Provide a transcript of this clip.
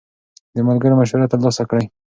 د ملګرو مشوره ترلاسه کړئ.